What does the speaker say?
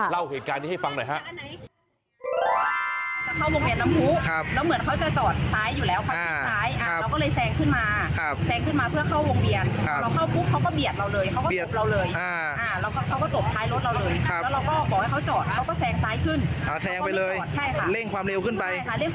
เล่าเหตุการณ์นี้ให้ฟังหน่อยฮะ